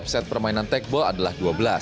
angka dalam set permainan tekbol adalah dua belas